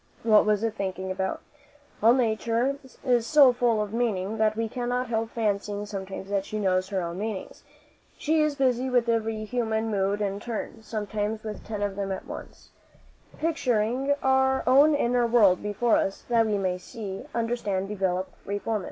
What was it thinking about? All Nature is so full of meaning, that we cannot help fancying sometimes that she knows her own meanings. She is busy with every human mood in turn sometimes with ten of them at once picturing our own inner world before us, that we may see, understand, develop, reform it.